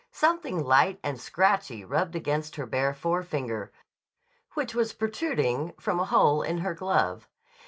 Something light and scratchy rubbed against her bare forefinger, which was protruding from a hole in her glove.